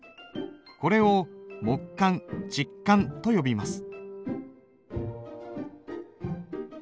これを木簡竹簡と呼びます。